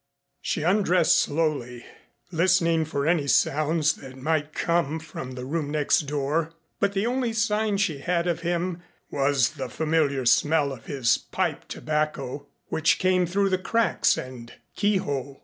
She undressed slowly, listening for any sounds that might come from the room next door, but the only sign she had of him was the familiar smell of his pipe tobacco which came through the cracks and key hole.